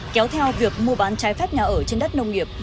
kéo theo việc mua bán trái phép nhà ở trên đất nông nghiệp